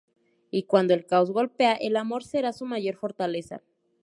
Y cuando el caos golpea, el amor será su mayor fortaleza.